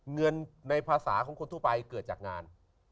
เงินในภาษาของคนทั่วไปเกิดจากงาน